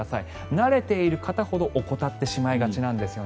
慣れている方ほど怠ってしまいがちなんですよね。